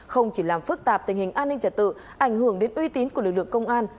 không chỉ làm phức tạp tình hình an ninh trật tự ảnh hưởng đến uy tín của lực lượng công an